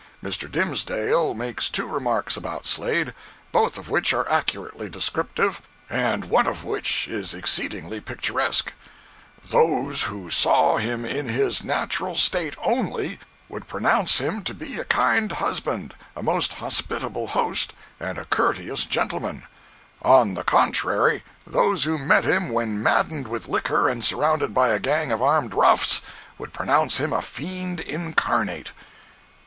Mr. Dimsdale makes two remarks about Slade, both of which are accurately descriptive, and one of which is exceedingly picturesque: "Those who saw him in his natural state only, would pronounce him to be a kind husband, a most hospitable host and a courteous gentleman; on the contrary, those who met him when maddened with liquor and surrounded by a gang of armed roughs, would pronounce him a fiend incarnate."